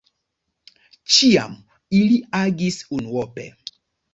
Ĉiam ili agis unuope.